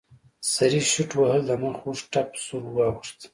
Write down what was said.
سړي شټوهل د مخ اوږد ټپ سور واوښت.